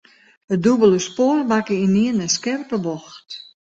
It dûbelde spoar makke ynienen in skerpe bocht.